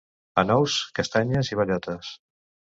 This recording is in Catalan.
Anous, castanyes i bellotes.